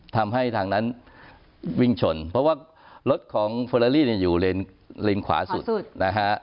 ทำให้ทางนั้นวิ่งชนเพราะว่ารถของเฟอร์ลาลี่เนี่ยอยู่เลนขวาสุดนะฮะ